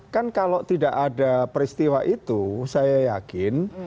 kan kalau tidak ada peristiwa itu saya yakin